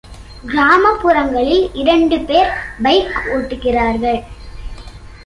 கிராமப்புறங்களில் இரண்டு பேர் பைக் ஓட்டுகிறார்கள்.